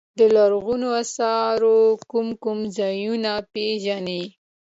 د لرغونو اثارو کوم کوم ځایونه پيژنئ.